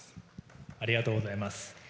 ありがとうございます。